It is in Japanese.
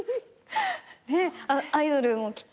ねっアイドルもきっと。